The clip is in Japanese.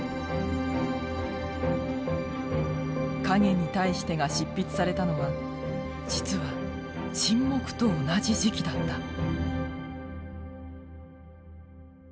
「影に対して」が執筆されたのは実は「沈黙」と同じ時期だった。